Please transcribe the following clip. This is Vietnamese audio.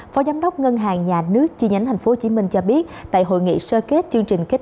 phó giám đốc ngân hàng nhà nước chi nhánh tp hcm cho biết tại hội nghị sơ kết chương trình kết